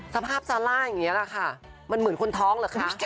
สภาพซาร่าอย่างนี้แหละค่ะมันเหมือนคนท้องเหรอคะ